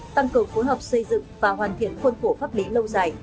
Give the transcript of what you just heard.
tăng cường phối hợp xây dựng và hoàn thiện khuôn khổ pháp lý lâu dài